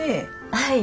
はい。